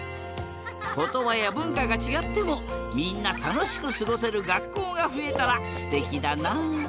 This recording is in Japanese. ことばやぶんかがちがってもみんなたのしくすごせるがっこうがふえたらすてきだな！